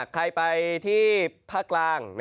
ใครไปที่ภาคกลาง